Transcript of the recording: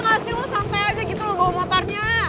bisa gak sih lo santai aja gitu lo bawa motarnya